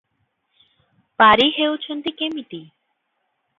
ପାରି ହେଉଛନ୍ତି କିମିତି?